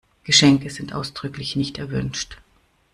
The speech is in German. Geschenke sind ausdrücklich nicht erwünscht.